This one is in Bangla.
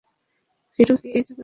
হিরো কি এই জগতে আছে?